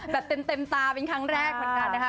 แบบเต็มตาเป็นครั้งแรกเหมือนกันนะคะ